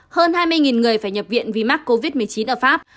hơn hai mươi người phải nhập viện vì mắc covid một mươi chín ở pháp